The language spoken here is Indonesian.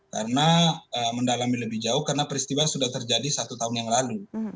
karena mendalami lebih jauh karena peristiwa sudah terjadi satu tahun yang lalu